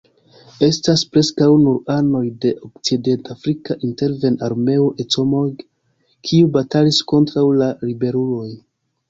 Estas preskaŭ nur anoj de okcidentafrika interven-armeo Ecomog, kiu batalis kontraŭ la ribeluloj.